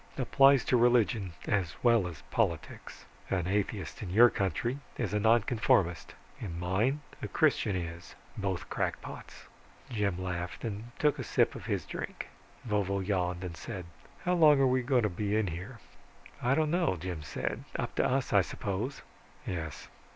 Applies to religion as well as politics. An atheist in your country is a nonconformist in mine, a Christian is. Both crackpots." Jim laughed and took a sip of his drink. Vovo yawned and said, "How long are we going to be in here?" "I don't know. Up to us, I suppose." "Yes.